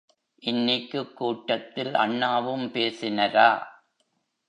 இன்னிக்குக் கூட்டத்தில் அண்ணாவும் பேசினரா?